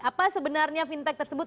apa sebenarnya fintech tersebut